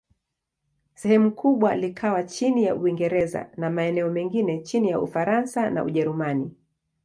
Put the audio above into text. Sehemu kubwa likawa chini ya Uingereza, na maeneo mengine chini ya Ufaransa na Ujerumani.